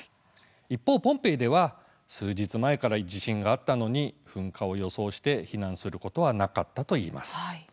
一方、ポンペイでは数日前から地震があったのに噴火を予想して避難することはなかったといいます。